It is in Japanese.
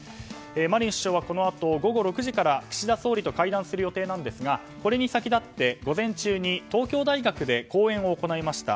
マリン首相はこのあと午後６時から岸田総理と会談する予定なんですがこれに先立って午前中に東京大学で講演を行いました。